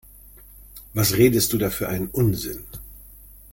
Was redest du da für einen Unsinn?